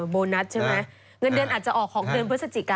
โบนัสใช่ไหมเงินเดือนอาจจะออกของเดือนพฤศจิกา